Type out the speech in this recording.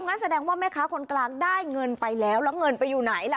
งั้นแสดงว่าแม่ค้าคนกลางได้เงินไปแล้วแล้วเงินไปอยู่ไหนล่ะ